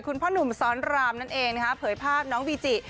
คุณพ่อหนุ่มสอนรามนั่นเองนะคะเผยภาพน้องวีจิ